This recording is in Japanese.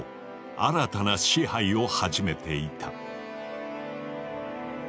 新たな支配を始めていた。